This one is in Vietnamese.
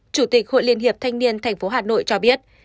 chủ tịch hội liên hiệp thanh niên tp hà nội cho biết